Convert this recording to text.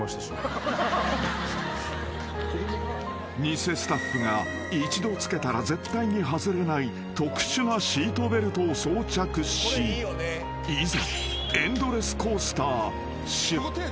［偽スタッフが一度つけたら絶対に外れない特殊なシートベルトを装着しいざ］